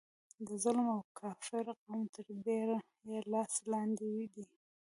د ظلم او کافر قوم تر ډبره یې لاس لاندې دی.